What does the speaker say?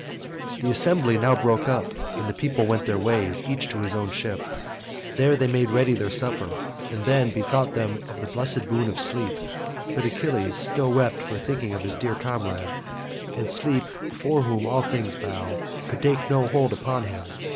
The assembly now broke up and the people went their ways each to his own ship. There they made ready their supper, and then bethought them of the blessed boon of sleep; but Achilles still wept for thinking of his dear comrade, and sleep, before whom all things bow, could take no hold upon him.